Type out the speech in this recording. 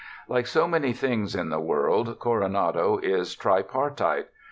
Like so many things in the world, Coro nado is tripartite.